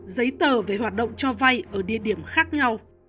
giấy tờ về hoạt động cho vay ở địa điểm khác nhau